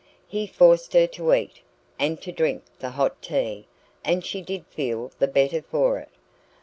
He forced her to eat, and to drink the hot tea, and she did feel the better for it.